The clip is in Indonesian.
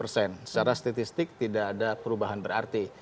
secara statistik tidak ada perubahan berarti